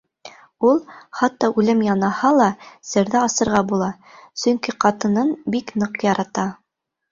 Ул, хатта үлем янаһа ла, серҙе асырға була, сөнки ҡатынын бик ныҡ ярата.